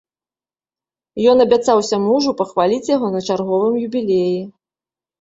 Ён абяцаўся мужу пахваліць яго на чарговым юбілеі.